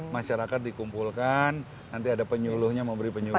masyarakat dikumpulkan nanti ada penyuluhnya mau beri penyuluhan